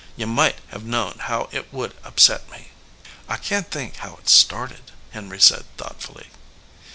You might have known how it would upset me." "I can t think how it started," Henry said, thoughtfully.